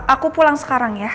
aku pulang sekarang ya